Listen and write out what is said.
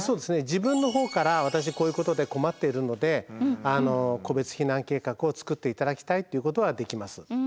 自分の方から私こういうことで困っているので個別避難計画を作って頂きたいっていうことはできます。